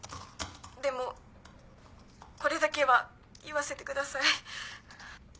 でもこれだけは言わせてください。